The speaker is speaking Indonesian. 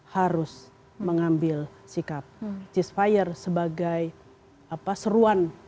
harus mengambil sikap ceasefire sebagai seruan